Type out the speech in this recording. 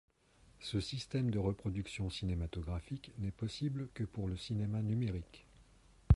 Ce système de reproduction cinématographique n'est possible que pour le cinéma numérique.